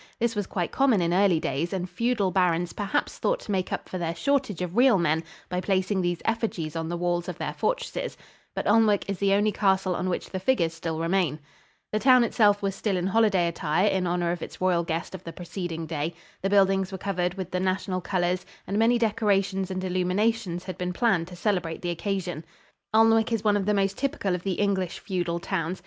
This was quite common in early days and feudal barons perhaps thought to make up for their shortage of real men by placing these effigies on the walls of their fortresses, but Alnwick is the only castle on which the figures still remain. The town itself was still in holiday attire in honor of its royal guest of the preceding day. The buildings were covered with the national colors and many decorations and illuminations had been planned to celebrate the occasion. Alnwick is one of the most typical of the English feudal towns.